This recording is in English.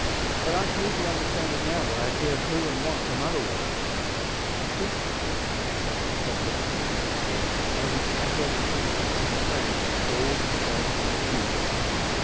But I can easily understand it now that I hear who and what her mother was." But the principal person concerned in Tom Brixton's little scheme held an adverse opinion to his friends Paul and Fred and Flinders.